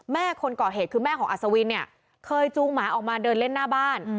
คนก่อเหตุคือแม่ของอัศวินเนี่ยเคยจูงหมาออกมาเดินเล่นหน้าบ้าน